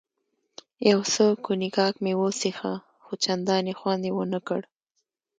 یو څه کونیګاک مې وڅېښه، خو چندانې خوند یې ونه کړ.